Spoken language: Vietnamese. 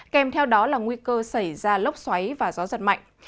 kèm theo đó là nguy cơ xảy ra lốc xoáy và gió giật mạnh